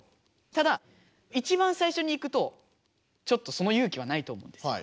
ただいちばん最初にいくとちょっとその勇気はないと思うんですよ。